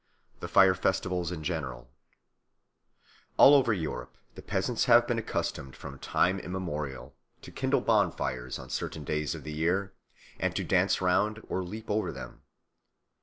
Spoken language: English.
The Fire festivals in general ALL over Europe the peasants have been accustomed from time immemorial to kindle bonfires on certain days of the year, and to dance round or leap over them.